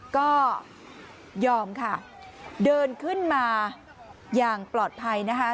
ก็ยอมค่ะเดินขึ้นมาอย่างปลอดภัยนะคะ